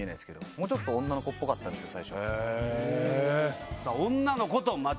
もうちょっと女の子っぽかったんです最初。